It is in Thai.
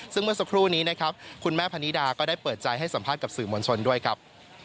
ซึ่งเมื่อสักครู่นี้นะครับคุณแม่พนิดาก็ได้เปิดใจให้สัมภาษณ์กับสื่อมวลชนด้วยครับ